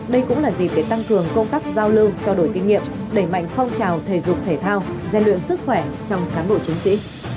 đây cũng là dịp để tăng cường công tác giao lưu trao đổi kinh nghiệm đẩy mạnh phong trào thể dục thể thao gian luyện sức khỏe trong cán bộ chiến sĩ